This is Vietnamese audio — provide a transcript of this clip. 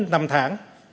trong bốn năm tháng